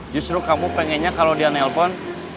justru kamu pengennya kalau dia nelpon